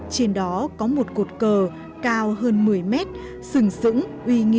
trên đó có một cột cờ cao hơn một mươi mét sừng sững uy nghi